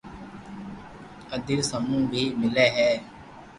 لڌيز سمون بي ملي هي